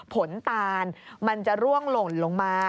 ตานมันจะร่วงหล่นลงมา